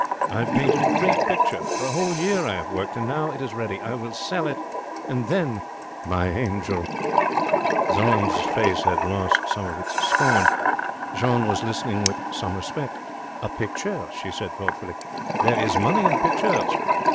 I have painted a great picture. For a whole year I have worked, and now it is ready. I will sell it, and then, my angel ?' Jeanne's face had lost some of its scorn. She was listening with some respect. 'A picture?' she said, thoughtfully. 'There is money in pictures.'